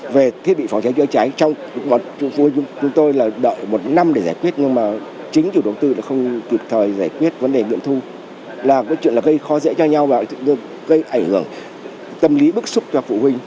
về thiết bị phóng trái chữa trái trong cuộc vui chúng tôi là đợi một năm để giải quyết nhưng mà chính chủ đầu tư là không kịp thời giải quyết vấn đề biện thu là có chuyện gây khó dễ cho nhau và gây ảnh hưởng tâm lý bức xúc cho phụ huynh